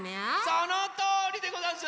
そのとおりでござんす！